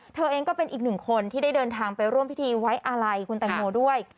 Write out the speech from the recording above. เธอเองก็เป็นอีกหนึ่งคนที่ได้เดินทางไปร่วมพิธีไว้อาลัยคุณแตงโมด้วย